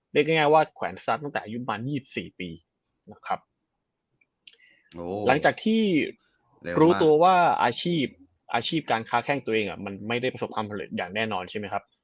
ง่ายว่าแขวนซักตั้งแต่อายุประมาณ๒๔ปีนะครับหลังจากที่รู้ตัวว่าอาชีพอาชีพการค้าแข้งตัวเองอ่ะมันไม่ได้ประสบความสำเร็จอย่างแน่นอนใช่ไหมครับ